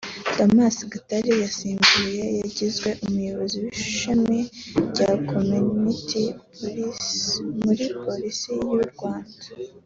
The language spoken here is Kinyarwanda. Acp Damas Gatare yasimbuye yagizwe umuyobozi w’ishami rya ‘Community Policing’ muri Polisi y’u Rwanda